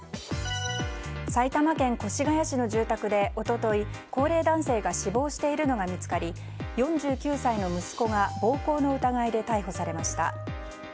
埼玉県越谷市の住宅で一昨日高齢男性が死亡しているのが見つかり４９歳の息子が暴行の疑いで逮捕されました。